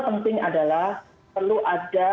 penting adalah perlu ada